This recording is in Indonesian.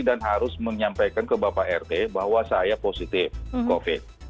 dan harus menyampaikan ke bapak rt bahwa saya positif covid